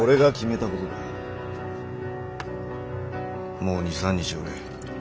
もう２３日おれ。